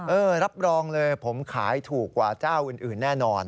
รับรองเลยผมขายถูกกว่าเจ้าอื่นแน่นอน